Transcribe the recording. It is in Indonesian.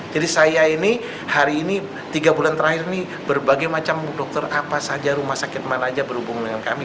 jadi saya ini hari ini tiga bulan terakhir ini berbagai macam dokter apa saja rumah sakit mana aja berhubung dengan kami